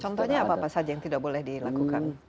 contohnya apa apa saja yang tidak boleh dilakukan